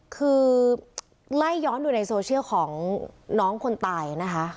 คือไล่ย้อนดูในโซเชียลของน้องคนตายนะคะ